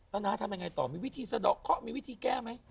แล้วน้าทำยังไงต่อมีวิธีสะดอกเคาะมีวิธีแก้ไหม